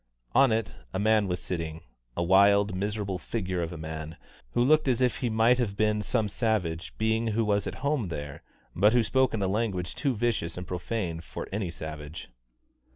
On it a man was sitting, a wild, miserable figure of a man, who looked as if he might have been some savage being who was at home there, but who spoke in a language too vicious and profane for any savage.